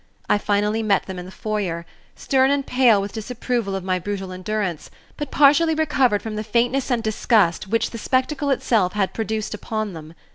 I finally met them in the foyer, stern and pale with disapproval of my brutal endurance, and but partially recovered from the faintness and disgust which the spectacle itself had produced upon them.